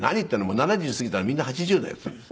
７０過ぎたらみんな８０だよ」って言うんです。